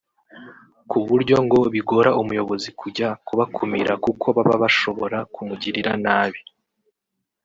ku buryo ngo bigora umuyobozi kujya kubakumira kuko baba bashobora kumugirira nabi